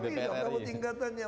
gak bertingkatan ya